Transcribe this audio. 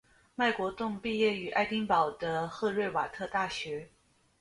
麦国栋毕业于爱丁堡的赫瑞瓦特大学。